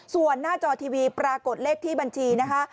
ส่วนหน้าจอทีวีปรากฏเลขที่บัญชีนะคะ